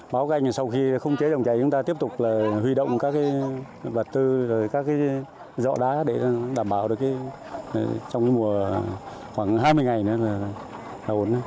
báo cánh sau khi không chế dòng chảy chúng ta tiếp tục huy động các vật tư các dọ đá để đảm bảo trong mùa khoảng hai mươi ngày nữa là ổn